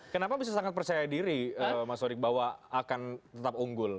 kenapa bisa sangat percaya diri mas wadik bahwa akan tetap unggul